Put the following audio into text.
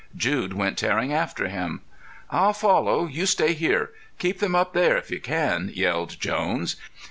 Jude went tearing after them. "I'll follow; you stay here. Keep them up there, if you can!" yelled Jones.